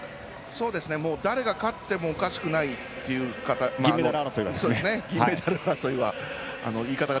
誰が勝ってもおかしくないという銀メダル争いはですが。